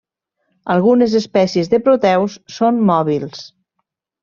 Algunes espècies de proteus són mòbils.